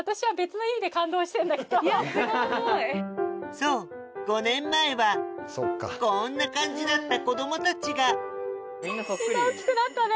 そう５年前はこんな感じだった子供たちがみんなそっくり。